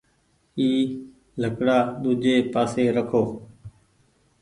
اي لڪڙآ ۮوجي پآسي رکو